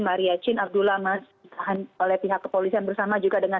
maria chin abdullah masih ditahan oleh pihak kepolisian bersama juga dengan